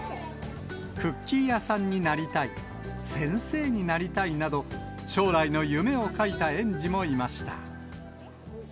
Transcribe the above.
クッキー屋さんになりたい、先生になりたいなど、将来の夢を書いた園児もいました。